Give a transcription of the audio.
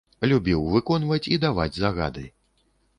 Любіў выконваць і даваць загады.